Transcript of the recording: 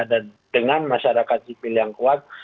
dan dengan masyarakat sipil yang kuat